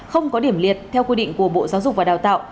không có điểm liệt theo quy định của bộ giáo dục và đào tạo